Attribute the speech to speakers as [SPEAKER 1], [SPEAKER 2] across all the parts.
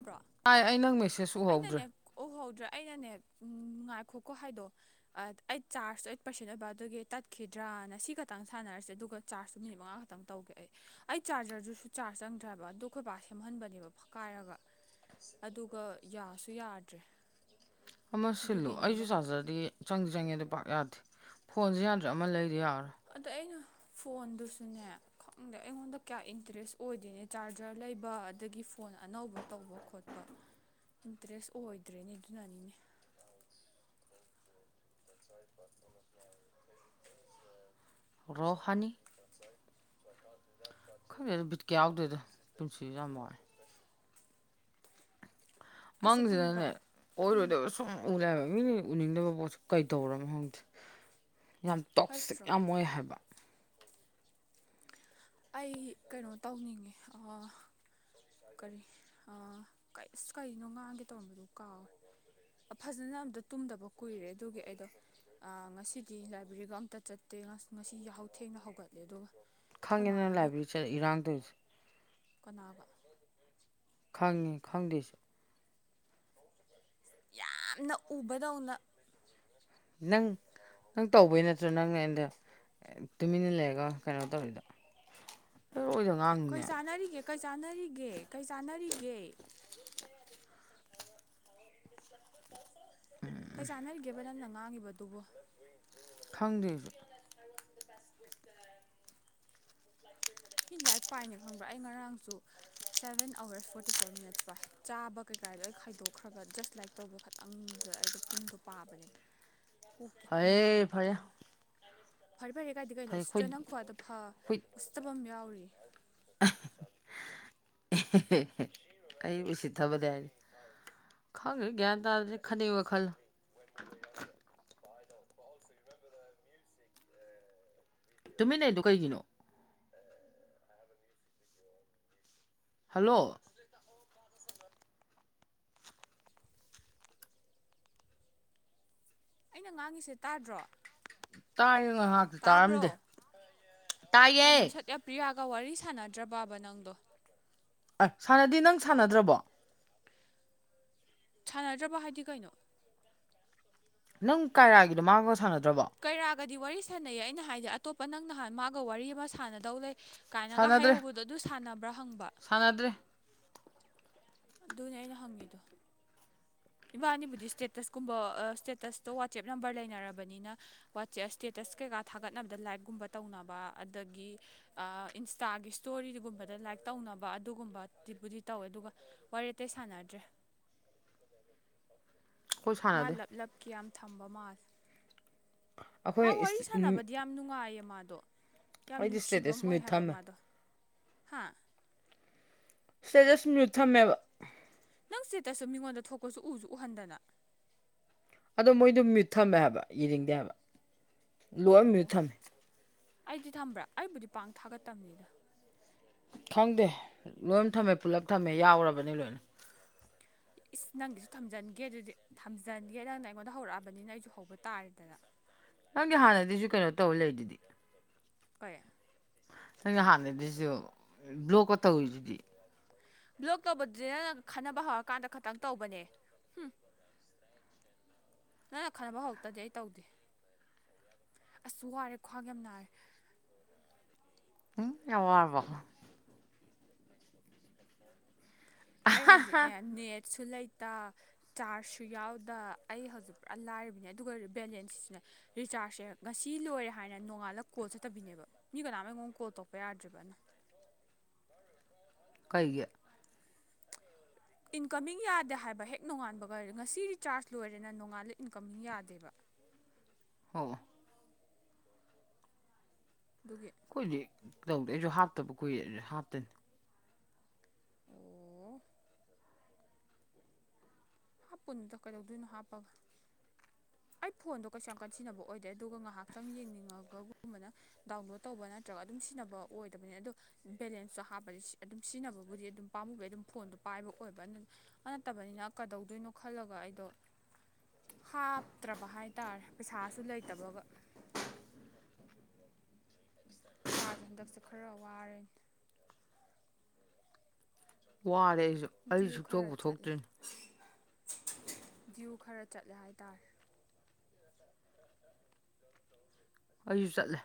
[SPEAKER 1] bro
[SPEAKER 2] hi ꯑꯩ ꯅꯪ ꯃꯦꯁ
[SPEAKER 1] ꯑꯩꯅꯅꯦ ꯎꯍꯧꯗ꯭ꯔꯦ ꯑꯩꯅꯅꯦ ꯉꯥꯏꯈꯣꯀꯣ ꯍꯥꯏꯗꯣ ꯑꯩ ꯆꯥꯔꯖꯇꯣ ꯑꯩꯠ ꯄꯥꯔꯁꯦꯟ ꯑꯣꯏꯕ ꯑꯗꯨꯒꯤ ꯇꯠꯈꯤꯗ꯭ꯔꯥꯅ ꯁꯤ ꯈꯛꯇꯪ ꯁꯥꯟꯅꯔꯁꯦ ꯑꯗꯨꯒ ꯆꯥꯔꯖꯇꯨ ꯃꯤꯅꯤꯠ ꯃꯉꯥ ꯈꯛꯇꯪ ꯇꯧꯒꯦ ꯑꯩ ꯑꯩ ꯆꯥꯔꯖꯔꯗꯨꯁꯨ ꯆꯥꯔꯖ ꯆꯪꯗ꯭ꯔꯦꯕ ꯑꯗꯨ ꯑꯩꯈꯣꯏ ꯕꯥ ꯁꯦꯝꯍꯟꯕꯅꯦꯕ ꯐꯛꯀꯥꯏꯔꯒ ꯑꯗꯨꯒ ꯌꯥꯁꯨ ꯌꯥꯗ꯭ꯔꯦ
[SPEAKER 2] ꯑꯃ ꯁꯤꯜꯂꯨ ꯑꯩꯁꯨ
[SPEAKER 1] ꯑꯗꯨꯒꯤꯅꯤꯗ
[SPEAKER 2] ꯆꯥꯔꯖꯔꯗꯤ ꯆꯪꯗꯤ ꯆꯪꯉꯦ ꯑꯗꯨ ꯄꯥꯛꯅ ꯌꯥꯗꯦ ꯐꯣꯟꯁꯨ ꯌꯥꯗ꯭ꯔꯦ ꯑꯃ ꯂꯩꯗ ꯌꯥꯔꯔꯣꯏ
[SPEAKER 1] ꯑꯗ ꯑꯩꯅ ꯐꯣꯟꯗꯨꯁꯨꯅꯦ ꯈꯪꯗꯦ ꯑꯩꯉꯣꯟꯗ ꯀꯌꯥ ꯏꯟꯇꯔꯦꯁ ꯑꯣꯏꯗꯦꯅꯦ ꯆꯥꯔꯖꯔ ꯂꯩꯕ ꯑꯗꯒꯤ ꯐꯣꯟ ꯐꯣꯟ ꯑꯅꯧꯕ ꯇꯧꯕ ꯈꯣꯠꯄ ꯏꯟꯇꯔꯦꯁ ꯑꯣꯏꯗ꯭ꯔꯦꯅꯦ ꯑꯗꯨꯅꯅꯤꯅꯦ
[SPEAKER 2] [unintelligible] ꯔꯣꯍꯅꯤ ꯈꯪꯗꯦꯗ ꯕꯤꯠꯀꯥ ꯌꯥꯎꯗꯦꯗ ꯄꯨꯟꯁꯤꯁꯦ ꯌꯥꯝ ꯋꯥꯏ
[SPEAKER 1] ꯑꯩꯁꯦ ꯈꯪꯕ꯭ꯔꯥ
[SPEAKER 2] ꯃꯪꯁꯤꯗꯅꯦ ꯑꯣꯏꯔꯣꯏꯗꯕ ꯁꯨꯝ ꯎ ꯂꯩ ꯍꯥꯏꯕ ꯃꯤꯅ ꯎꯅꯤꯡꯗꯕ ꯄꯣꯠꯁꯨ ꯀꯩꯗꯧꯔꯃꯣ ꯈꯪꯗꯦ ꯌꯥꯝ ꯇꯣꯛꯁꯤꯛ
[SPEAKER 1] ꯐꯠꯇ꯭ꯔꯣ
[SPEAKER 2] ꯌꯥꯝ ꯑꯣꯏ ꯍꯥꯏꯕ
[SPEAKER 1] ꯑꯩ ꯀꯩꯅꯣ ꯇꯧꯅꯤꯡꯉꯦ ꯀꯔꯤ ꯀꯩ ꯑꯁ ꯀꯩꯅꯣ ꯉꯥꯡꯒꯦ ꯇꯧꯔꯝꯕꯗꯣ ꯀꯥꯎꯔꯦ ꯐꯖꯅ ꯑꯝꯇ ꯇꯨꯝꯗꯕ ꯀꯨꯏꯔꯦ ꯑꯗꯨꯒꯤ ꯑꯩꯗꯣ ꯉꯁꯤꯗꯤ ꯂꯥꯏꯕ꯭ꯔꯦꯔꯤꯒ ꯑꯝꯇ ꯆꯠꯇꯦ ꯉꯁꯤ ꯌꯥꯍꯧ ꯊꯦꯡꯅ ꯍꯧꯒꯠꯂꯦ ꯑꯗꯨꯒ ꯑꯩꯈꯣꯏ
[SPEAKER 2] ꯈꯪꯉꯦ ꯅꯪ
[SPEAKER 1] ꯃꯥꯒꯤ
[SPEAKER 2] ꯂꯥꯏꯕ꯭ꯔꯦꯔꯤ ꯆꯠꯂ ꯏꯔꯥꯡ ꯇꯧꯔꯤꯗꯣ
[SPEAKER 1] ꯀꯅꯥꯒ
[SPEAKER 2] ꯈꯪꯉꯤ ꯈꯪꯗꯦꯁꯨ
[SPEAKER 1] ꯌꯥꯝꯅ ꯎꯕꯗꯧꯅ
[SPEAKER 2] ꯅꯪ ꯅꯪ ꯇꯧꯕꯩ ꯅꯠꯇ꯭ꯔꯣ ꯅꯪꯅ ꯑꯩꯉꯣꯟꯗ ꯇꯨꯃꯤꯟꯅ ꯂꯩꯔꯒ ꯀꯩꯅꯣ ꯇꯧꯔꯤꯗꯣ ꯂꯣꯏꯗ
[SPEAKER 1] ꯀꯩ
[SPEAKER 2] ꯉꯥꯡꯉꯤꯅꯦ
[SPEAKER 1] ꯆꯥꯟꯅꯔꯤꯒꯦ ꯀꯩ ꯆꯥꯟꯅꯔꯤꯒꯦ ꯀꯩ ꯆꯥꯟꯅꯔꯤꯒꯦ ꯀꯩ ꯆꯥꯟꯅꯔꯤꯒꯦꯕ ꯅꯪꯅ ꯉꯥꯡꯉꯤꯕꯗꯨꯕꯣ
[SPEAKER 2] ꯈꯪꯗꯦ ꯑꯩꯖꯨ
[SPEAKER 1] ꯃꯤ ꯂꯥꯏꯔꯤꯛ ꯄꯥꯏꯅꯦ ꯈꯪꯕ꯭ꯔꯥ ꯑꯩ ꯉꯔꯥꯡꯁꯨ seven hours forty four minute ꯄꯥꯏ ꯆꯥꯕ ꯀꯩꯀꯥ ꯂꯣꯏ ꯈꯥꯏꯗꯣꯛꯈ꯭ꯔꯒ ꯖꯁ ꯂꯥꯏꯔꯤꯛ ꯇꯧꯕ ꯈꯇꯪꯗ ꯑꯩꯗꯣ ꯄꯨꯡꯗꯣ ꯄꯥꯕꯅꯦꯕ
[SPEAKER 2] [unintelligible]
[SPEAKER 1] ꯀꯣꯛꯀꯤ
[SPEAKER 2] ꯐꯔꯦ
[SPEAKER 1] ꯅꯥꯒꯦ
[SPEAKER 2] ꯐꯔꯦ
[SPEAKER 1] ꯇꯧꯋꯦ ꯐꯔꯦ ꯐꯔꯦ ꯀꯥꯏꯗꯤ ꯀꯩꯅꯣ
[SPEAKER 2] ꯐꯩ ꯑꯩꯈꯣꯏ
[SPEAKER 1] ꯎꯁꯤꯇ꯭ꯔꯤꯔ ꯅꯪ
[SPEAKER 2] ꯑꯩꯈꯣꯏ
[SPEAKER 1] ꯈꯨꯍꯥꯢꯗꯣ ꯐ ꯎꯁꯤꯇꯕ ꯑꯃ ꯌꯥꯎꯔꯤꯌꯦ
[SPEAKER 2] [unintelligible] ꯈꯪꯗꯦꯗ ꯒ꯭ꯌꯥꯟ ꯇꯥꯗꯦꯗ ꯈꯟꯅꯤꯡꯕ ꯈꯜꯂꯣ ꯇꯨꯃꯤꯟ ꯂꯩꯔꯤꯗꯣ ꯀꯩꯒꯤꯅꯣ ꯍꯜꯂꯣ
[SPEAKER 1] ꯑꯩꯅ ꯉꯥꯡꯉꯤꯁꯦ ꯇꯥꯗ꯭ꯔꯣ
[SPEAKER 2] ꯇꯥꯏꯌ ꯉꯥꯏꯍꯥꯛꯇꯤ
[SPEAKER 1] ꯇꯥꯕ꯭ꯔꯣ
[SPEAKER 2] ꯇꯥꯔꯝꯗꯦ ꯇꯥꯏꯌꯦꯦ
[SPEAKER 1] ꯑꯦ ꯄ꯭ꯔꯤꯌꯥꯒ ꯋꯥꯔꯤ ꯁꯥꯟꯅꯗ꯭ꯔꯕꯕ ꯅꯪꯗꯣ
[SPEAKER 2] ꯑ ꯁꯥꯟꯅꯗꯤ ꯅꯪ ꯁꯥꯟꯅꯗ꯭ꯔꯕꯣ
[SPEAKER 1] ꯁꯥꯟꯅꯗ꯭ꯔꯕ ꯍꯥꯏꯗꯤ ꯀꯩꯅꯣ
[SPEAKER 2] ꯅꯪ ꯀꯥꯏꯔꯥꯒꯤꯗꯣ ꯃꯥꯥꯡꯒ ꯁꯥꯟꯅꯗ꯭ꯔꯕꯣ
[SPEAKER 1] ꯀꯩꯔꯥꯒꯗꯤ ꯋꯥꯔꯤ ꯁꯥꯟꯅꯩ ꯑꯩꯅ ꯍꯥꯏꯗꯤ ꯑꯇꯣꯞꯄ ꯅꯪ ꯅꯍꯥꯟ ꯃꯥꯒ ꯋꯥꯔꯤ ꯑꯃ ꯁꯥꯟꯅꯗꯧ ꯂꯩ ꯀꯥꯏꯅꯒ
[SPEAKER 2] ꯁꯥꯟꯅꯗ꯭ꯔꯦ
[SPEAKER 1] ꯍꯥꯏꯍꯧꯕꯗꯣ ꯑꯗꯨ ꯁꯥꯟꯅꯕ꯭ꯔꯥ ꯍꯪꯕ
[SPEAKER 2] ꯁꯥꯟꯅꯗ꯭ꯔꯦ
[SPEAKER 1] ꯑꯗꯨꯅꯦ ꯑꯩꯅ ꯍꯪꯉꯤꯗꯣ ꯏꯕꯥꯅꯤꯕꯨꯗꯤ ꯁ꯭ꯇꯦꯇꯁꯀꯨꯝꯕ ꯁ꯭ꯇꯦꯇꯁꯇꯣ ꯋꯥꯆꯦꯞ ꯅꯝꯕꯔ ꯂꯩꯅꯔꯕꯅꯤꯅ ꯋꯥꯆꯦꯞ ꯏꯁꯇꯦꯇꯁ ꯀꯩꯀꯥ ꯊꯥꯒꯠꯅꯕꯗ ꯂꯥꯏꯠꯀꯨꯝꯕ ꯇꯧꯅꯕ ꯑꯗꯒꯤ ꯏꯟꯁꯇꯥꯒꯤ ꯏꯁꯇꯣꯔꯤꯒꯨꯝꯕꯗ ꯂꯥꯏꯛ ꯇꯧꯅꯕ ꯑꯗꯨꯒꯨꯝꯕ ꯕꯨꯗꯤ ꯇꯧꯋꯦ ꯑꯗꯨꯒ ꯋꯥꯔꯤ ꯑꯇꯩ ꯁꯥꯟꯅꯗ꯭ꯔꯦ
[SPEAKER 2] ꯑꯩꯈꯣꯏ
[SPEAKER 1] ꯃꯥ
[SPEAKER 2] ꯁꯥꯟꯅꯗꯦ
[SPEAKER 1] ꯂꯞ ꯂꯞꯀꯤ ꯌꯥꯝ ꯊꯝꯕ ꯃꯥꯜꯂꯦ
[SPEAKER 2] ꯑꯩꯈꯣꯏ
[SPEAKER 1] ꯃꯥ ꯋꯥꯔꯤ ꯁꯥꯟꯅꯕꯗꯤ ꯌꯥꯝ ꯅꯨꯡꯉꯥꯏꯌꯦ ꯃꯥꯗꯣ ꯌꯥꯝ
[SPEAKER 2] ꯑꯩꯗꯤ
[SPEAKER 1] ꯅꯨꯡꯁꯤꯕ
[SPEAKER 2] ꯏꯁꯇꯦꯇꯁ
[SPEAKER 1] ꯑꯃ ꯑꯣꯏ
[SPEAKER 2] ꯃ꯭ꯌꯨꯠ
[SPEAKER 1] ꯍꯥꯏꯕ
[SPEAKER 2] ꯊꯝꯃꯦ
[SPEAKER 1] ꯃꯥꯗꯣ ꯍꯥꯥ
[SPEAKER 2] ꯁꯇꯦꯇꯁ ꯃꯨꯠ ꯊꯝꯃꯦꯕ
[SPEAKER 1] ꯅꯪ ꯆꯦꯠꯇꯁꯨ ꯃꯤꯉꯣꯟꯗ ꯊꯣꯛꯄꯁꯨ ꯎꯁꯨ ꯎꯍꯟꯗꯅ
[SPEAKER 2] ꯑꯗꯣ ꯃꯣꯏꯗꯣ ꯃꯤꯠ ꯊꯝꯃꯦ ꯍꯥꯏꯕ ꯏꯔꯤꯡꯗꯦ ꯍꯥꯏꯕ ꯂꯣꯏ
[SPEAKER 1] ꯑꯣ
[SPEAKER 2] ꯃ꯭ꯌꯨꯠ ꯊꯝꯃꯦ
[SPEAKER 1] ꯑꯩꯗꯤ ꯊꯝꯕ꯭ꯔꯥ ꯑꯩꯕꯨꯗꯤ ꯄꯥꯡ ꯊꯥꯒꯠꯇꯕꯅꯤꯗ
[SPEAKER 2] ꯈꯪꯗꯦ ꯂꯣꯏ ꯊꯝꯃꯦ ꯄꯨꯂꯞ ꯊꯝꯃꯦ ꯌꯥꯎꯔꯕꯅꯤ ꯂꯣꯏꯅ
[SPEAKER 1] ꯏꯁ ꯅꯪꯒꯤꯁꯨ ꯊꯝꯖꯟꯒꯦ ꯑꯗꯨꯗꯤ ꯊꯝꯖꯤꯟꯒꯦ ꯅꯪꯅ ꯑꯩꯉꯣꯟꯗ ꯍꯧꯔꯛꯑꯕꯅꯤꯅ ꯑꯩꯁꯨ ꯍꯧꯕ ꯇꯥꯔꯦꯗꯅ
[SPEAKER 2] ꯅꯪꯒꯤ ꯍꯥꯟꯅꯗꯤꯁꯨ ꯀꯩꯅꯣ ꯇꯧꯕ ꯂꯩ ꯑꯗꯨꯗꯤ
[SPEAKER 1] ꯀꯣꯏ
[SPEAKER 2] ꯅꯪ ꯍꯥꯟꯅꯗꯁꯨ ꯕ꯭ꯂꯣꯛꯀ ꯇꯧꯔꯤꯁꯤꯗꯤ
[SPEAKER 1] ꯕ꯭ꯂꯣꯛ ꯇꯧꯕꯗꯨꯗ ꯈꯟꯅꯕ ꯍꯧꯔꯀꯥꯟꯗ ꯈꯇꯪ ꯇꯧꯕꯅꯦ ꯎꯝ ꯅꯪꯅ ꯈꯟꯅꯕ ꯍꯧꯔꯛꯇꯗꯤ ꯑꯩ ꯇꯧꯗꯦ ꯑꯁꯁꯨ ꯋꯥꯔꯦ ꯈ꯭ꯋꯥꯡ ꯌꯥꯝ ꯅꯥꯔꯦ
[SPEAKER 2] ꯎꯝ ꯌꯦꯋꯥꯔꯔꯕ
[SPEAKER 1] ꯑꯩ ꯍꯧꯖꯤꯛꯅꯦ ꯅꯦꯠꯁꯨ ꯂꯩꯇ ꯆꯥꯔꯖꯁꯨ ꯌꯥꯎꯗ ꯑꯩ ꯍꯧꯖꯤꯛ ꯄꯨꯔꯥ ꯂꯥꯏꯔꯤꯕꯅꯦ ꯑꯗꯨꯒ ꯑꯣꯏ ꯕꯦꯂꯦꯟꯁꯁꯤꯅ ꯔꯤꯆꯥꯔꯖꯁꯦ ꯉꯁꯤ ꯂꯣꯏꯔꯦ ꯍꯥꯏꯅ ꯅꯣꯡꯉꯥꯜꯂꯒ ꯀꯣꯜ ꯆꯠꯇꯕꯤꯅꯦꯕ ꯃꯤ ꯀꯅꯥꯝꯃꯉꯣ ꯀꯣꯜ ꯇꯧꯛꯄ ꯌꯥꯗ꯭ꯔꯤꯕꯅ
[SPEAKER 2] ꯀꯩꯒꯤ
[SPEAKER 1] ꯏꯟꯀꯃꯤꯡ ꯌꯥꯗꯦ ꯍꯥꯏꯕ ꯍꯦꯛ ꯅꯣꯡꯉꯥꯟꯕꯒ ꯉꯁꯤ ꯔꯤꯆꯥꯔꯖ ꯂꯣꯏꯔꯦꯅ ꯅꯣꯡꯉꯥꯜꯂꯦ ꯏꯟꯀꯃꯤꯡ ꯌꯥꯗꯦꯕ
[SPEAKER 2] ꯍ
[SPEAKER 1] ꯑꯗꯨꯒꯤ
[SPEAKER 2] ꯑꯩꯈꯣꯏꯗꯤꯛ ꯇꯧꯗꯦ ꯑꯩꯁꯨ ꯍꯥꯞꯇꯕ ꯀꯨꯏ ꯑꯗꯨꯁꯨ ꯍꯥꯞꯇꯅꯤ
[SPEAKER 1] ꯑꯣ ꯍꯥꯞꯄꯅꯤꯗ ꯀꯩꯗꯧꯗꯣꯏꯅꯣ ꯍꯥꯞꯄꯒ ꯑꯩ ꯐꯣꯟꯗꯣ ꯀꯩꯁꯨ ꯌꯥꯝ ꯀꯠꯁꯤꯟꯅꯕ ꯑꯣꯏꯗꯦ ꯑꯗꯨꯒ ꯉꯥꯏꯍꯥꯛ ꯆꯪ ꯌꯦꯡꯅꯤꯡꯉꯒꯒꯨꯝꯕꯅ ꯗꯥꯎꯟꯂꯣꯗ ꯇꯧꯕ ꯅꯠꯇ꯭ꯔꯒ ꯑꯗꯨꯝ ꯁꯤꯖꯤꯟꯅꯕ ꯑꯣꯏꯗꯕꯅꯤ ꯑꯗꯣ ꯕꯦꯂꯦꯟꯁꯇꯣ ꯍꯥꯞꯄꯗꯤ ꯑꯗꯨꯝ ꯁꯤꯖꯤꯟꯅꯕꯕꯨꯗꯤ ꯑꯗꯨꯝ ꯄꯥꯝꯃꯨꯕꯩ ꯑꯗꯨꯝ ꯐꯣꯟꯗꯣ ꯄꯥꯏꯕ ꯑꯣꯏꯕ ꯑꯗꯨꯅ ꯅꯠꯇꯕꯅꯤꯅ ꯀꯗꯧꯗꯣꯏꯅꯣ ꯈꯜꯂꯒ ꯑꯩꯗꯣ ꯍꯥ ꯐꯠꯇ꯭ꯔꯕ ꯍꯥꯏꯇꯥꯔꯦ ꯄꯩꯁꯥꯁꯨ ꯂꯩꯇꯕꯒ ꯏꯁꯥꯁꯦ ꯍꯟꯗꯛꯁꯦ ꯈꯔ ꯋꯥꯔꯅꯤ
[SPEAKER 2] ꯋꯥꯔꯦ ꯑꯩꯁꯨ ꯑꯩ ꯁꯨꯊꯣꯛꯄ ꯊꯣꯛꯇ꯭ꯔꯤꯅꯤ
[SPEAKER 1] ꯚ꯭ꯌꯨ ꯈꯔ ꯆꯠꯂꯦ ꯍꯥꯏꯇꯥꯔꯦ
[SPEAKER 2] ꯑꯩꯁꯨ ꯆꯠꯂꯦ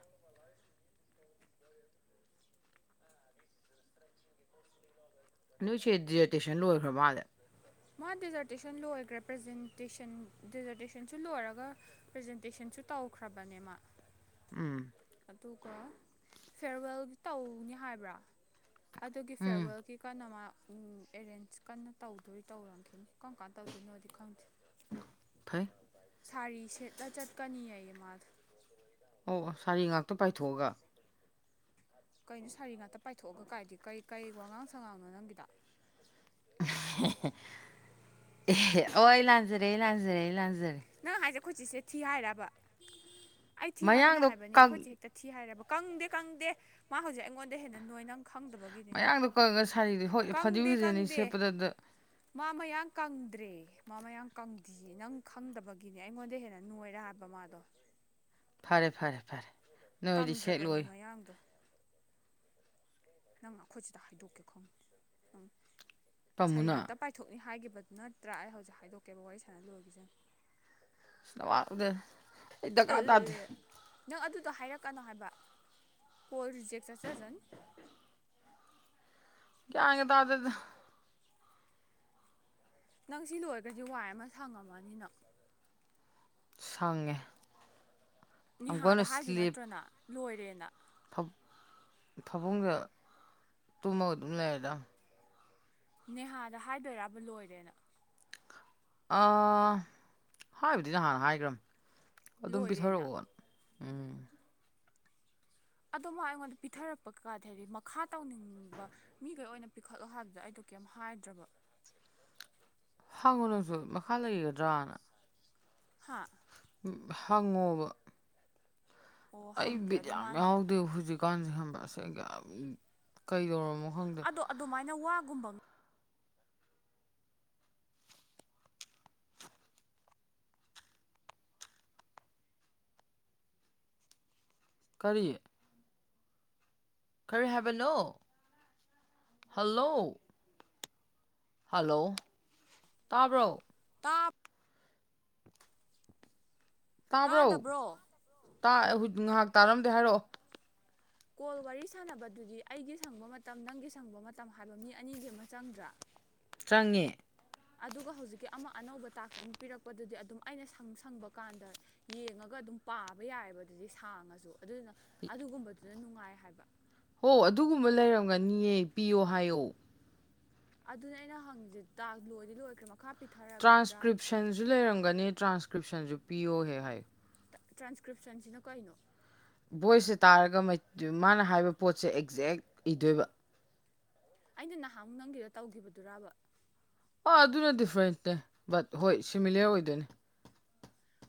[SPEAKER 2] ꯅꯣꯏꯁꯦ ꯗꯤꯔꯦꯇꯦꯁꯟ ꯂꯣꯏꯈ꯭ꯔꯕ ꯃꯥꯜꯂꯗ
[SPEAKER 1] ꯃꯥ ꯗꯦꯖꯔꯇꯦꯁꯟ ꯂꯣꯏꯈ꯭ꯔꯦ ꯄ꯭ꯔꯖꯦꯟꯇꯦꯁꯟ ꯗꯦꯖꯔꯇꯦꯁꯟꯁꯨ ꯂꯣꯏꯔꯒ ꯄ꯭ꯔꯖꯦꯟꯇꯦꯁꯟꯁꯨ ꯇꯧꯈ꯭ꯔꯕꯅꯦ ꯃꯥ
[SPEAKER 2] ꯎꯝ
[SPEAKER 1] ꯑꯗꯨꯒ ꯐꯦꯔꯋꯦꯜꯒꯤ ꯇꯧꯅꯤ ꯍꯥꯏꯕ꯭ꯔꯥ ꯑꯗꯨꯒꯤ
[SPEAKER 2] ꯎꯝ
[SPEAKER 1] ꯐꯦꯔꯋꯦꯜꯒꯤ ꯀꯟꯅ ꯃꯥ ꯑꯦꯔꯦꯟꯖ ꯀꯟꯅ ꯇꯧꯗ ꯑꯗꯨꯗꯤ ꯇꯧꯔꯝꯈꯤꯅꯤ ꯀꯔꯝ ꯀꯥꯟꯅ ꯇꯧꯗꯣꯏꯅꯣꯗꯤ ꯈꯪꯗꯦ
[SPEAKER 2] ꯐꯥꯏ
[SPEAKER 1] ꯁꯥꯔꯤ ꯁꯦꯠꯂ ꯆꯠꯀꯅꯤ ꯑꯩ ꯃꯥꯗ
[SPEAKER 2] ꯑꯣ ꯑꯣ ꯁꯥꯔꯤ ꯉꯥꯛꯇ ꯄꯥꯏꯊꯣꯛꯑꯒ
[SPEAKER 1] ꯀꯩꯅꯣ ꯁꯥꯔꯤ ꯉꯥꯛꯇ ꯄꯥꯏꯊꯣꯛꯑꯒ ꯀꯥꯏꯗꯤ ꯀꯩ ꯀꯩ ꯋꯥꯉꯥꯡ ꯁꯉꯥꯡꯅꯣ ꯅꯪꯒꯤꯗ
[SPEAKER 2] ꯍ ꯑꯩ ꯂꯥꯟꯖꯔꯦ ꯂꯥꯟꯖꯔꯦ ꯂꯥꯟꯖꯔꯦ
[SPEAKER 1] ꯅꯪ ꯍꯥꯏꯁꯦ ꯑꯩꯣꯏꯆꯁꯦ ꯊꯤ ꯍꯥꯏꯔꯕ ꯑꯩ ꯊꯤ ꯍꯥꯏꯕꯅ
[SPEAKER 2] ꯃꯌꯥꯡꯗꯣ
[SPEAKER 1] ꯍꯥꯏꯕꯅꯤ
[SPEAKER 2] ꯀꯪ
[SPEAKER 1] ꯑꯩꯈꯣꯏꯆꯦ ꯍꯦꯛ ꯇ ꯊꯤ ꯍꯥꯏꯔꯦꯕ ꯀꯪꯗꯦ ꯀꯪꯗꯦ ꯃꯥ ꯍꯧꯖꯤꯛ ꯑꯩꯉꯣꯟꯗ ꯍꯦꯟꯅ ꯅꯣꯏ ꯅꯪ ꯈꯪꯗꯕ
[SPEAKER 2] ꯃꯌꯥꯡꯗꯣ ꯀꯪꯉꯒ ꯁꯥꯔꯤꯗꯤ ꯍ ꯐꯗꯤ ꯐꯖꯅꯤ
[SPEAKER 1] ꯀꯪꯗꯦ
[SPEAKER 2] ꯁꯦꯠꯄꯗꯗ
[SPEAKER 1] ꯃꯥ ꯃꯌꯥꯝ ꯀꯪꯗ꯭ꯔꯦ ꯃꯥ ꯃꯌꯥꯝ ꯀꯪꯗ ꯅꯪ ꯐꯪꯗꯕꯒꯤꯅꯦ ꯑꯩꯉꯣꯟꯗ ꯍꯦꯟꯅ ꯅꯣꯏꯔꯥ ꯍꯥꯏꯕ ꯃꯥꯗꯣ
[SPEAKER 2] ꯐꯔꯦ ꯐꯔꯦ ꯐꯔꯦ ꯅꯣꯏꯗꯤ
[SPEAKER 1] ꯀꯪꯗ꯭ꯔꯕꯅꯤ
[SPEAKER 2] ꯁꯦꯠꯂꯣꯏ
[SPEAKER 1] ꯃꯌꯥꯡꯗꯣ ꯅꯪ ꯑꯩꯈꯣꯏ ꯁꯤꯗ ꯍꯥꯏꯗꯣꯛꯀꯦ ꯈꯪ ꯅꯪ ꯁꯥꯔꯤ
[SPEAKER 2] ꯄꯥꯝꯃꯨꯅ
[SPEAKER 1] ꯉꯥꯛꯇ ꯄꯥꯏ ꯊꯣꯛꯅꯤ ꯍꯥꯏꯈꯤꯕꯗꯨ ꯅꯠꯇ꯭ꯔꯥ ꯑꯩ ꯍꯧꯖꯤꯛ ꯍꯥꯏꯗꯣꯛꯀꯦꯕ ꯋꯥꯔꯤ ꯁꯥꯟꯅ ꯂꯣꯏꯈꯤꯖꯅꯤ
[SPEAKER 2] ꯑꯋꯥ ꯎꯗ
[SPEAKER 1] ꯅꯪ ꯑꯗꯨꯗꯣ ꯍꯥꯏꯔꯛꯀꯅꯣ ꯍꯥꯏꯕ ꯀꯣꯜ ꯔꯤꯖꯦꯛ ꯆꯠꯆꯁꯅꯤ
[SPEAKER 2] ꯌꯥꯥꯡꯒꯦ ꯇ ꯑꯗꯨꯗ
[SPEAKER 1] ꯅꯪ ꯁꯤ ꯂꯣꯏꯔꯒꯗꯤ ꯋꯥꯏ ꯑꯃ ꯁꯪꯉꯝꯃꯅꯤꯅ
[SPEAKER 2] ꯁꯉꯦ
[SPEAKER 1] ꯅꯦꯍꯥꯗ ꯍꯥꯏꯗꯣꯏ ꯅꯠꯇ꯭ꯔꯅ ꯂꯣꯏꯔꯦꯅ
[SPEAKER 2] ꯐꯕꯨꯡꯁꯦ ꯇꯨꯝꯃꯒ ꯑꯗꯨꯝ ꯂꯩꯔꯦꯗ
[SPEAKER 1] ꯅꯦꯍꯥꯗ ꯍꯥꯏꯗꯣꯏꯔꯥꯕ ꯂꯣꯏꯔꯦꯅ
[SPEAKER 2] ꯍꯥꯏꯕꯗꯤ ꯅꯍꯥꯟꯅ ꯍꯥꯏꯈ꯭ꯔꯕ ꯑꯗꯨꯝ
[SPEAKER 1] ꯂꯣꯏꯔꯦꯅ
[SPEAKER 2] ꯄꯤꯊꯔꯛꯑꯣꯅ ꯎꯝ
[SPEAKER 1] ꯑꯣꯃ ꯑꯩꯉꯣꯟꯗ ꯄꯤꯊꯔꯛꯄꯀꯥꯗ ꯍꯥꯏꯗꯤ ꯃꯈꯥ ꯇꯧꯅꯤꯡꯕ ꯃꯤꯈꯩ ꯑꯣꯏꯅ ꯄꯤꯈꯠꯂꯣ ꯍꯥꯏꯕꯗꯣ ꯑꯩꯗꯣ ꯀꯩꯝ ꯍꯥꯏꯗ꯭ꯔꯕ
[SPEAKER 2] ꯍꯥꯡꯉꯣ ꯅꯪꯁꯨ ꯃꯈꯥ ꯂꯩꯒꯗ꯭ꯔꯅ
[SPEAKER 1] ꯍꯥ
[SPEAKER 2] ꯍꯪꯉꯣꯕ
[SPEAKER 1] ꯑꯣ
[SPEAKER 2] ꯑꯩ
[SPEAKER 1] ꯍꯪꯒꯦ
[SPEAKER 2] ꯕꯤꯠ
[SPEAKER 1] ꯑꯗꯣ
[SPEAKER 2] ꯌꯥꯝ
[SPEAKER 1] ꯃꯥꯅ
[SPEAKER 2] ꯌꯥꯎꯗꯦ ꯍꯧꯖꯤꯛꯀꯥꯟꯁꯦ ꯍꯕ ꯑꯁꯦ ꯀꯩꯗꯧꯔꯝꯅꯣ ꯈꯪꯗꯦ
[SPEAKER 1] ꯑꯗꯣ ꯑꯗꯨꯃꯥꯏꯅ ꯋꯥꯒꯨꯝꯕ
[SPEAKER 2] ꯀꯔꯤꯌꯦ ꯈꯔ ꯍꯥꯏꯕꯅꯣ ꯍꯜꯂꯣ ꯍꯜꯂꯣ ꯇꯥꯕ꯭ꯔꯣ
[SPEAKER 1] ꯇꯥꯞ
[SPEAKER 2] ꯇꯥꯕ꯭ꯔꯣ
[SPEAKER 1] ꯇꯥꯗꯕ꯭ꯔꯣ
[SPEAKER 2] ꯉꯥꯏꯍꯥꯛ ꯇꯥꯔꯝꯗꯦ ꯍꯥꯏꯔꯛꯑꯣ
[SPEAKER 1] ꯀꯣꯜ ꯋꯥꯔꯤ ꯁꯥꯟꯅꯕꯗꯨꯗꯤ ꯑꯩꯒꯤ ꯁꯪꯕ ꯃꯇꯝ ꯅꯪꯒꯤ ꯁꯪꯕ ꯃꯇꯝ ꯍꯥꯏꯕ ꯃꯤ ꯑꯅꯤꯒꯤ ꯑꯃ ꯆꯪꯗ꯭ꯔꯥ
[SPEAKER 2] ꯆꯪꯉꯦ
[SPEAKER 1] ꯑꯗꯨꯒ ꯍꯧꯖꯤꯛꯀꯤ ꯑꯃ ꯑꯅꯧꯕ ꯇꯥꯛꯁ ꯑꯃ ꯄꯤꯔꯛꯄꯗꯨꯗꯤ ꯑꯗꯨꯝ ꯑꯩꯅ ꯁꯪ ꯁꯪꯕ ꯀꯥꯟꯗ ꯌꯦꯡꯉꯒ ꯑꯗꯨꯝ ꯄꯥꯕ ꯌꯥꯏꯑꯕ ꯑꯗꯨꯗꯤ ꯁꯥꯡꯉꯁꯨ ꯑꯗꯨꯗꯨꯅ ꯑꯗꯨꯒꯨꯝꯕꯗꯨꯅ ꯅꯨꯡꯉꯥꯏ ꯍꯥꯏꯕ
[SPEAKER 2] ꯍꯣ ꯑꯗꯨꯒꯨꯝꯕ ꯂꯩꯔꯝꯒꯅꯤꯌꯦ ꯄꯤꯌꯣ ꯍꯥꯏꯌꯣ
[SPEAKER 1] ꯑꯗꯨꯅꯦ ꯑꯩꯅ ꯍꯪꯉꯁꯦ ꯇ ꯂꯣꯏꯗꯤ ꯂꯣꯏꯈ꯭ꯔꯦ ꯥ ꯄꯤꯊꯔ
[SPEAKER 2] ꯇ꯭ꯔꯥꯟꯁꯀ꯭ꯔꯤꯞꯁꯟꯁꯨ ꯂꯩꯔꯝꯒꯅꯤ ꯇ꯭ꯔꯥꯟꯁꯀ꯭ꯔꯤꯞꯁꯟꯁꯨ ꯄꯤꯌꯣꯍꯦ ꯍꯥꯏ
[SPEAKER 1] ꯇ꯭ꯔꯥꯟꯁꯀ꯭ꯔꯤꯞꯁꯟꯁꯤꯅ ꯀꯩꯅꯣ
[SPEAKER 2] ꯚꯣꯏꯁꯁꯦ ꯇꯥꯔꯒ ꯃꯥꯅ ꯍꯥꯏꯕ ꯄꯣꯠꯁꯦ ꯑꯦꯛꯖꯦꯛ ꯏꯗꯣꯏꯕ
[SPEAKER 1] ꯑꯩꯅ ꯅꯍꯥꯟꯨꯛ ꯅꯪꯒꯤꯗ ꯇꯧꯈꯤꯕꯗꯨꯔꯔꯕ
[SPEAKER 2] ꯑꯥ ꯑꯗꯨꯅ ꯗꯤꯐ꯭ꯔꯦꯟꯅꯦ ꯕꯠ ꯍꯣꯏ ꯁꯤꯃꯤꯂꯔ ꯑꯣꯏꯗꯣꯏꯅꯤ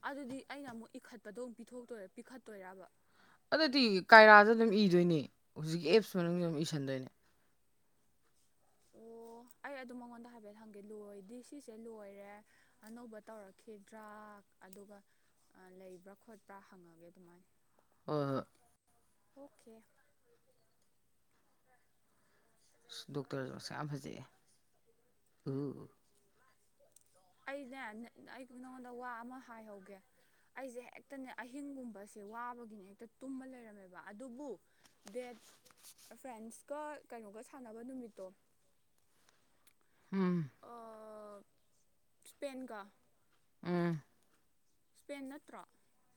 [SPEAKER 1] ꯑꯗꯨꯗꯤ ꯑꯩꯅ ꯑꯃꯨꯛ ꯏꯈꯠꯄꯗꯣꯨꯛ ꯄꯤꯊꯣꯛꯇꯣꯏꯔꯥ ꯄꯤꯈꯠꯇꯣꯏꯕ
[SPEAKER 2] ꯑꯗꯨꯗꯤ ꯀꯥꯏꯔꯥꯗ ꯑꯗꯨꯝ ꯏꯗꯣꯏꯅꯦ ꯍꯧꯖꯤꯛꯀꯤ ꯑꯦꯞꯁ ꯃꯅꯨꯡꯗ ꯑꯗꯨꯝ ꯏꯁꯟꯗꯣꯏꯅꯦ
[SPEAKER 1] ꯑꯣ ꯑꯩ ꯑꯗꯨ ꯃꯉꯣꯟꯗ ꯍꯥꯏꯐꯦꯠ ꯍꯪꯒꯦ ꯂꯣꯏꯗꯤ ꯁꯤꯁꯦ ꯂꯣꯏꯔꯦ ꯑꯅꯧꯕ ꯇꯧꯔꯛꯈꯤꯗ꯭ꯔꯥ ꯑꯗꯨꯒ ꯂꯩꯕ꯭ꯔꯥ ꯈꯣꯠꯄ꯭ꯔꯥ ꯍꯪꯉꯒꯦ ꯑꯗꯨꯃꯥꯏꯅ
[SPEAKER 2] ꯍ
[SPEAKER 1] ꯑꯣꯀꯦ
[SPEAKER 2] ꯑ ꯗꯣꯛꯇꯔꯁꯨ ꯃꯁ ꯌꯥꯝ ꯐꯖꯩꯑ ꯎ
[SPEAKER 1] ꯑꯩꯅꯦ ꯑꯩ ꯅꯉꯣꯟꯗ ꯋꯥ ꯑꯃ ꯍꯥꯏꯍꯧꯒꯦ ꯑꯩꯁꯦ ꯍꯦꯛꯇꯅꯦ ꯑꯍꯤꯡꯒꯨꯝꯕꯁꯦ ꯋꯥꯕꯒꯤꯅꯦ ꯍꯦꯛꯇ ꯇꯨꯝꯕ ꯂꯩꯔꯝꯃꯦꯕ ꯑꯗꯨꯕꯨ ꯗꯦꯠ ꯐ꯭ꯔꯦꯟꯁꯀ ꯀꯩꯅꯣꯒ ꯁꯥꯟꯅꯕ ꯅꯨꯃꯤꯠꯇꯣ
[SPEAKER 2] ꯎꯝ
[SPEAKER 1] ꯁ꯭ꯄꯦꯟꯒ
[SPEAKER 2] ꯎꯝ
[SPEAKER 1] ꯏꯁꯄꯦꯟ ꯅꯠꯇ꯭ꯔꯣ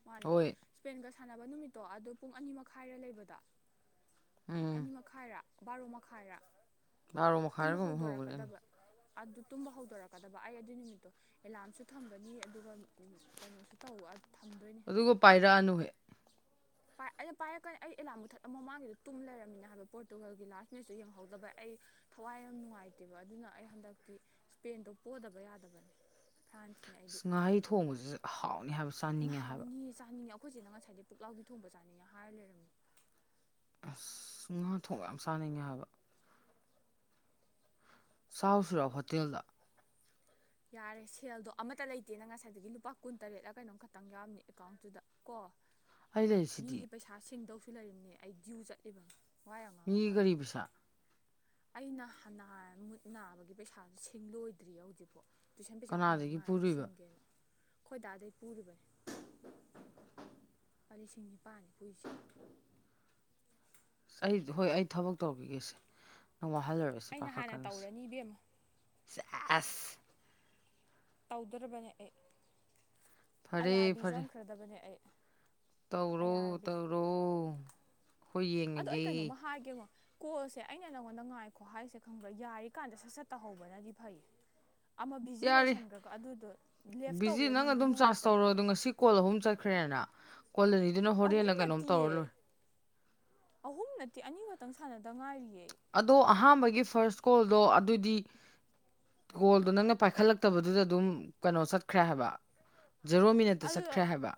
[SPEAKER 1] ꯃꯥꯅꯦ
[SPEAKER 2] ꯍꯣꯏ
[SPEAKER 1] ꯏꯁꯄꯦꯟꯒ ꯁꯥꯟꯅꯕ ꯅꯨꯃꯤꯠꯇꯣ ꯑꯗꯨꯣ ꯄꯨꯡ ꯑꯅꯤ ꯃꯈꯥꯏꯔ ꯂꯩꯕꯗ
[SPEAKER 2] ꯎꯝ
[SPEAKER 1] ꯑꯅꯤ ꯃꯈꯥꯏꯔꯥ ꯕꯥꯔꯣ ꯃꯈꯥꯏꯔꯥ
[SPEAKER 2] ꯕꯥꯔꯣ
[SPEAKER 1] ꯇꯨꯝꯕ
[SPEAKER 2] ꯃꯈꯥꯏꯔꯒꯨꯝꯕ ꯍꯧꯕꯅꯦ
[SPEAKER 1] ꯍꯧꯗꯣꯔꯛꯀꯗꯕ ꯑꯗꯨ ꯇꯨꯝꯕ ꯍꯧꯗꯣꯔꯛꯀꯗꯕ ꯑꯩ ꯑꯗꯨꯏ ꯅꯨꯃꯤꯠꯇꯣ ꯑꯦꯂꯥꯔꯝꯁꯨ ꯊꯝꯒꯅꯤ ꯑꯗꯨꯒ ꯀꯩꯅꯣꯁꯨ ꯇꯧ ꯊꯝꯗꯣꯏꯅꯦ
[SPEAKER 2] ꯑꯗꯨꯒ ꯄꯥꯏꯔꯛꯑꯅꯨ ꯍꯦꯛ
[SPEAKER 1] ꯑꯗꯣ ꯄꯥꯏꯔꯛꯀꯅꯤ ꯑꯩ ꯑꯦꯂꯥꯝ ꯃꯨꯊꯠꯂꯝ ꯃꯃꯥꯡꯒꯤꯗꯣ ꯇꯨꯝ ꯂꯩꯔꯝꯃꯤꯅꯤꯅ ꯍꯥꯏꯕ ꯄꯣꯔꯇꯨꯒꯜꯒꯤ ꯂꯥꯁ ꯃꯦꯠꯆꯇꯨ ꯌꯦꯡꯍꯧꯗꯕ ꯑꯩ ꯊꯋꯥꯏ ꯌꯥꯝ ꯅꯨꯡꯉꯥꯏꯇꯦꯕ ꯑꯗꯨꯅ ꯑꯩ ꯍꯟꯗꯛꯇꯤ ꯁ꯭ꯄꯦꯟꯗꯣ ꯄꯣꯗꯕ ꯌꯥꯗꯕꯅꯦ ꯐ꯭ꯔꯥꯟꯁ
[SPEAKER 2] ꯉꯥꯍꯩ ꯊꯣꯡꯕꯁꯤ ꯍꯥꯎꯅꯤ ꯍꯥꯏꯕꯕꯁꯤꯦ
[SPEAKER 1] ꯃꯍ ꯍꯥꯎꯅꯤꯌꯦ ꯆꯥꯅꯤꯡꯉꯦ ꯑꯩꯈꯣꯏꯁꯤꯅ ꯉꯁꯥꯏꯗꯤ ꯄꯨꯛꯂꯥꯎꯕꯤ ꯊꯣꯡꯕ ꯆꯥꯅꯤꯡꯉꯦ ꯍꯥꯏꯔ ꯂꯩꯔꯝꯃꯦ
[SPEAKER 2] ꯑꯁ ꯉꯥꯊꯣꯡ ꯌꯥꯝ ꯆꯥꯅꯉꯥꯏ ꯍꯥꯏꯕ ꯆꯥꯎ ꯁꯨꯔꯥ ꯍꯣꯇꯦꯜꯗ
[SPEAKER 1] ꯌꯥꯔꯦ ꯁꯦꯜꯗꯣ ꯑꯃꯠꯇ ꯂꯩꯇꯦꯅ ꯉꯁꯥꯏꯗꯒꯤ ꯂꯨꯄꯥ ꯀꯨꯟ ꯇꯔꯦꯠꯂ ꯀꯩꯅꯣꯝ ꯈꯛꯇꯪ ꯌꯥꯎꯔꯅꯤ ꯑꯦꯀꯥꯎꯟꯇꯨꯗ ꯀꯣ
[SPEAKER 2] [unintelligible]
[SPEAKER 1] ꯃꯤꯒꯤ ꯄꯩꯁꯥ ꯁꯤꯡꯗꯧꯁꯨ ꯂꯩꯝꯅꯦ ꯑꯩ ꯗ꯭ꯌꯨ ꯆꯠꯂꯤꯕꯅꯦ ꯋꯥꯏꯔ ꯉꯥꯡꯉ
[SPEAKER 2] ꯃꯤꯒꯤ
[SPEAKER 1] ꯀꯅꯣ
[SPEAKER 2] ꯒꯥꯔꯤ ꯄꯩꯁꯥ
[SPEAKER 1] ꯑꯩꯅ ꯍꯅꯥ ꯃꯨꯠ ꯅꯥꯕꯒꯤ ꯄꯩꯁꯥꯁꯨ ꯁꯤꯡꯡꯂꯣꯏꯗ꯭ꯔꯤ ꯍꯧꯖꯤꯛꯐꯥꯎ ꯇꯨꯏꯁꯟ ꯄꯩꯁꯥ ꯐꯪꯕ
[SPEAKER 2] ꯀꯅꯥꯗꯒꯤ
[SPEAKER 1] ꯉꯥꯏꯅꯤ
[SPEAKER 2] ꯄꯨꯔꯨꯏꯕ
[SPEAKER 1] ꯁꯤꯡꯒꯦꯅ ꯈꯣꯏꯗꯥ ꯑꯗꯩ ꯄꯨꯔꯤꯕꯅꯤ ꯂꯤꯁꯤꯡ ꯅꯤꯄꯥꯜꯅꯤ ꯄꯨꯏꯁꯦ
[SPEAKER 2] ꯑꯁ ꯑꯩ ꯍꯣꯏ ꯑꯩ ꯊꯕꯛ ꯇꯧꯈꯤꯒꯦꯁꯦ ꯅꯪ ꯋꯥꯍꯜꯂꯔꯁꯦ
[SPEAKER 1] ꯑꯩꯅ ꯍꯥꯟꯅ
[SPEAKER 2] ꯄꯥꯈꯠꯀꯟꯁꯦ
[SPEAKER 1] ꯇꯧꯔꯅꯤ ꯏꯕꯦꯝꯃ
[SPEAKER 2] ꯑꯁ
[SPEAKER 1] ꯇꯧꯗ꯭ꯔꯕꯅꯦ ꯑꯩ ꯑꯥꯏ
[SPEAKER 2] ꯐꯔꯦ
[SPEAKER 1] ꯑꯥꯔ ꯕꯤ
[SPEAKER 2] ꯐꯔꯦ
[SPEAKER 1] ꯆꯪꯈ꯭ꯔꯗꯕꯅꯦ ꯑꯩ ꯑꯥꯏ ꯑꯥꯔ
[SPEAKER 2] ꯇꯧꯔꯣ
[SPEAKER 1] ꯕꯤ
[SPEAKER 2] ꯇꯧꯔꯣ ꯑꯩꯈꯣꯏ
[SPEAKER 1] ꯑꯗꯣ ꯑꯩ
[SPEAKER 2] ꯌꯦꯡꯉꯒꯦ
[SPEAKER 1] ꯀꯩꯅꯣꯝꯃ ꯍꯥꯏꯒꯦꯉꯣ ꯀꯣꯜꯁꯦ ꯑꯩꯅ ꯅꯪꯉꯣꯟꯗ ꯉꯥꯏꯈꯣ ꯍꯥꯏꯁꯦ ꯈꯪꯕ꯭ꯔꯥ ꯌꯥꯔꯤ ꯀꯥꯟꯗ ꯁꯠ ꯁꯠ ꯇꯥꯍꯧꯕꯅꯗꯤ ꯐꯩ ꯑꯃ ꯕꯤꯖꯤ
[SPEAKER 2] ꯌꯥꯔꯦ
[SPEAKER 1] ꯂꯩꯁꯟꯈ꯭ꯔꯀꯣ ꯑꯗꯨꯗꯣ ꯂꯦꯐ
[SPEAKER 2] ꯕꯤꯖꯤ
[SPEAKER 1] ꯇꯧꯕꯗꯣ
[SPEAKER 2] ꯅꯪ
[SPEAKER 1] ꯅꯨꯡꯗꯤ
[SPEAKER 2] ꯑꯗꯨꯝ ꯆꯥꯔꯖ ꯇꯧꯔꯣ
[SPEAKER 1] ꯅꯨꯡꯉꯥꯏꯇꯕꯅꯦꯕ
[SPEAKER 2] ꯑꯗꯣ ꯉꯁꯤ ꯀꯣꯜ ꯑꯍꯨꯝ ꯆꯠꯈ꯭ꯔꯦꯅ ꯀꯣꯜꯂꯅꯤꯗꯨꯅ
[SPEAKER 1] ꯑꯍꯨꯝ
[SPEAKER 2] ꯍꯣꯔꯦꯟꯟꯅ ꯀꯩꯅꯣꯝ ꯇꯧꯔ
[SPEAKER 1] ꯅꯠꯇꯤꯌꯦ
[SPEAKER 2] ꯂꯣꯏꯔ
[SPEAKER 1] ꯑꯍꯨꯝ ꯅꯠꯇꯦ ꯑꯅꯤ ꯈꯛꯇꯪ ꯁꯥꯟꯅꯗ ꯉꯥꯏꯔꯤꯌꯦ
[SPEAKER 2] ꯑꯗꯣ ꯑꯍꯥꯟꯕꯒꯤ ꯐꯥꯔꯁ ꯀꯣꯜꯗꯣ ꯑꯗꯨꯗꯤ ꯀꯣꯜꯗꯣ ꯅꯪꯅ ꯄꯥꯏꯈꯠꯂꯛꯇꯕꯗꯨꯗ ꯑꯗꯨꯝ ꯀꯩꯅꯣ ꯆꯠꯈ꯭ꯔꯦ ꯍꯥꯏꯕ ꯖꯦꯔꯣ ꯃꯤꯅꯠꯇ
[SPEAKER 1] ꯑꯗꯨ
[SPEAKER 2] ꯆꯠꯈ꯭ꯔꯦ ꯍꯥꯏꯕ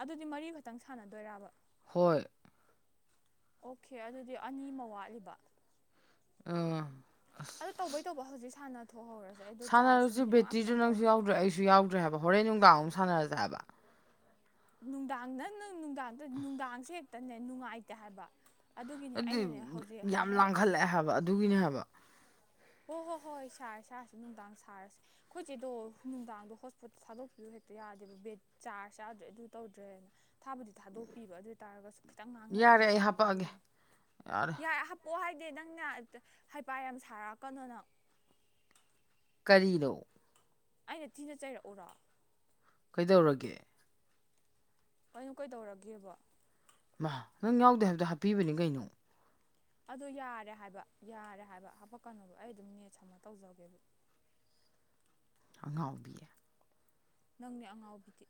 [SPEAKER 1] ꯑꯗꯨꯗꯤ ꯃꯔꯤ ꯈꯛꯇꯪ ꯁꯥꯟꯅꯗꯣꯏꯔꯕ
[SPEAKER 2] ꯍꯣꯏ
[SPEAKER 1] ꯑꯣꯀꯦ ꯑꯗꯨꯗꯤ ꯑꯅꯤ ꯑꯃ ꯋꯥꯠꯂꯤꯕ
[SPEAKER 2] ꯎꯝ
[SPEAKER 1] ꯑꯗꯣ ꯇꯧꯕꯩ ꯇꯧꯕ ꯍꯧꯖꯤꯛ ꯁꯥꯟꯅ ꯊꯣꯛꯍꯧꯔꯁꯤꯦ
[SPEAKER 2] ꯁꯥꯟꯅꯔꯁꯤ ꯕꯦꯇ꯭ꯔꯤꯗꯨ ꯅꯪꯁꯨ ꯌꯥꯎꯗ꯭ꯔꯦ ꯑꯩꯁꯨ ꯌꯥꯎꯗ꯭ꯔꯦ ꯍꯥꯏꯕ ꯍꯣꯔꯦꯟ ꯅꯨꯡꯗꯥꯡ ꯑꯃꯨꯛ ꯁꯥꯟꯅꯔꯁꯦ ꯍꯥꯏꯕ
[SPEAKER 1] ꯅꯨꯡꯗꯥꯡꯅ ꯅꯨꯡꯗꯥꯡ ꯅꯨꯡꯗꯥꯡꯁꯦ ꯍꯦꯛꯇꯅꯦ ꯅꯨꯡꯉꯥꯏꯇꯦ ꯍꯥꯏꯕ ꯑꯗꯨꯒꯤꯅꯦ ꯑꯩꯅꯅꯦ ꯍꯧꯖꯤꯛ ꯍꯥꯏꯍꯔꯛꯏꯁꯦ
[SPEAKER 2] ꯊꯕ ꯑꯗꯨꯒꯤꯅꯦ ꯍꯥꯏꯕ
[SPEAKER 1] ꯍꯣꯏ ꯍꯣꯏ ꯍꯣꯏ ꯍꯣꯏ ꯁꯥꯔꯦ ꯁꯥꯔꯁꯦ ꯅꯨꯡꯗꯥꯡ ꯁꯥꯔꯁꯦ ꯑꯩꯈꯣꯏꯁꯦꯗꯣ ꯅꯨꯡꯗꯥꯡꯗꯣ ꯍꯣꯁꯄꯤꯠꯇ ꯊꯥꯗꯣꯛꯄꯤꯌꯨ ꯍꯦꯛꯇ ꯌꯥꯗꯦꯕ ꯕꯦꯠ ꯆꯥꯔꯖ ꯌꯥꯗ꯭ꯔꯦ ꯑꯗꯨ ꯇꯧꯗ꯭ꯔꯦꯅ ꯊꯥꯕꯨꯗꯤ ꯊꯥꯗꯣꯛꯄꯤꯕ ꯑꯗꯨ ꯑꯣꯏ ꯇꯥꯔꯒꯁꯨ ꯈꯤꯇꯪ ꯉꯥꯡꯅꯕ
[SPEAKER 2] ꯌꯥꯔꯦ
[SPEAKER 1] ꯑꯃ
[SPEAKER 2] ꯑꯩ
[SPEAKER 1] ꯆꯪꯕ
[SPEAKER 2] ꯍꯥꯄꯛꯑꯒꯦ
[SPEAKER 1] ꯑꯗꯨꯒꯤꯅꯤ ꯌꯥꯔꯦ ꯑꯣ ꯍꯥꯏꯗꯤ ꯅꯪꯅ ꯍꯥꯏꯄꯥꯠ ꯌꯥꯝ ꯁꯥꯔꯛꯀꯅꯣꯅ
[SPEAKER 2] ꯀꯔꯤꯅꯣ
[SPEAKER 1] ꯑꯩꯅ ꯊꯤꯅ ꯆꯩꯔꯛꯎꯔꯣ
[SPEAKER 2] ꯀꯩꯗꯧꯔꯒꯦ
[SPEAKER 1] ꯀꯩꯅꯣ ꯀꯩꯗꯧꯔꯒꯦꯕ
[SPEAKER 2] ꯃꯥ ꯅꯪ ꯌꯥꯎꯗꯦ ꯍꯥꯏꯕꯗꯣ ꯍꯥꯞꯄꯤꯕꯅꯤ ꯀꯩꯅꯣ
[SPEAKER 1] ꯑꯗꯨ ꯌꯥꯔꯦ ꯍꯥꯏꯕ ꯌꯥꯔꯦ ꯍꯥꯏꯕ ꯍꯥꯄꯛꯀꯅꯣꯕ ꯑꯩ ꯑꯗꯨꯝ ꯅꯦꯠ ꯁꯃ ꯇꯧꯖꯒꯦꯕ
[SPEAKER 2] ꯑꯉꯥꯎꯕꯤ
[SPEAKER 1] ꯅꯪꯅꯦ ꯑꯉꯥꯎꯕꯤꯗꯤ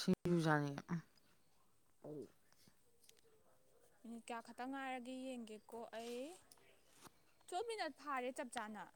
[SPEAKER 2] ꯁꯤꯡꯖꯨꯖꯅꯤ
[SPEAKER 1] ꯃꯤꯅꯤꯠ ꯀꯌꯥ ꯈꯛꯇꯪ ꯉꯥꯏꯔꯒꯦ ꯌꯦꯡꯒꯦꯀꯣ ꯑꯩ ꯆꯣ ꯃꯤꯅꯠ ꯐꯥꯔꯦ ꯆꯞ ꯆꯥꯅ